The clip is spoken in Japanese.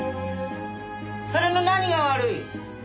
それの何が悪い！